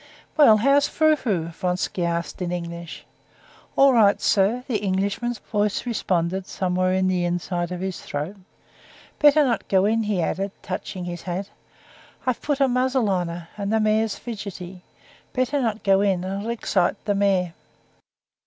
"Well, how's Frou Frou?" Vronsky asked in English. "All right, sir," the Englishman's voice responded somewhere in the inside of his throat. "Better not go in," he added, touching his hat. "I've put a muzzle on her, and the mare's fidgety. Better not go in, it'll excite the mare."